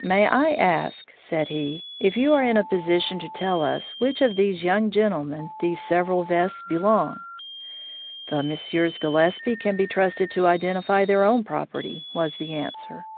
"May I ask," said he, "if you are in a position to tell us to which of these young gentlemen these several vests belong?" "The Messrs. Gillespie can be trusted to identify their own property," was the answer.